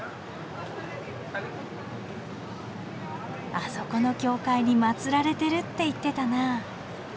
あそこの教会に祭られてるって言ってたな。